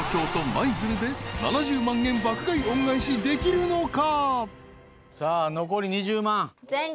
舞鶴で７０万円爆買い恩返しできるのか？］